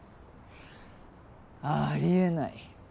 ありえない。